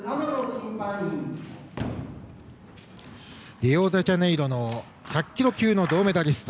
リオデジャネイロの１００キロ級の銅メダリスト